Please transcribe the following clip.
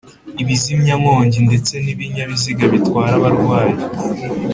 ibizimya-nkongi ndetse n'ibinyabiziga bitwara abarwayi